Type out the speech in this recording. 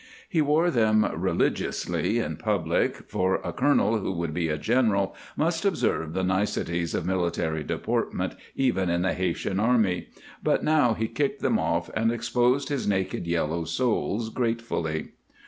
He wore them religiously, in public, for a colonel who would be a general must observe the niceties of military deportment, even in the Haytian army, but now he kicked them off and exposed his naked yellow soles gratefully.